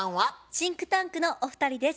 シンクタンクのお二人です。